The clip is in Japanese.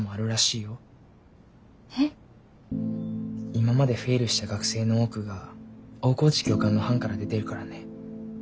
今までフェイルした学生の多くが大河内教官の班から出ているからね。